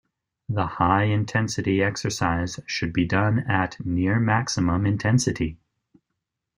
The high-intensity exercise should be done at near maximum intensity.